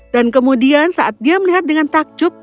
dan kemudian saat dia melihat dengan takjub